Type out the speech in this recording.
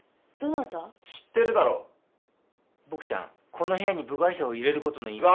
この部屋に部外者を入れることの意味を。